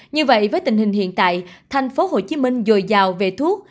như vậy với tình hình hiện tại tp hcm dồi dào về thuốc